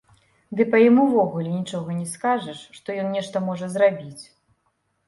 Ды па ім увогуле нічога не скажаш, што ён нешта можа зрабіць.